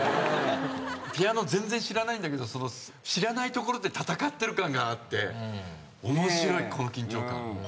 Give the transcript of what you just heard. ピアノ全然知らないんだけど知らないところで戦ってる感があって面白いこの緊張感。